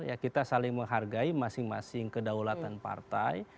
ya kita saling menghargai masing masing kedaulatan partai